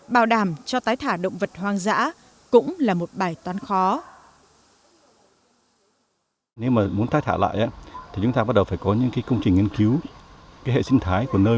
bảo đảm cho tái thả động vật hoang dã cũng là một bài toán khó